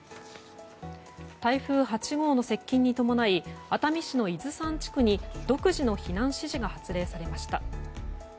台風８号の接近に伴い熱海市の伊豆山地区に独自の避難指示が発令されました。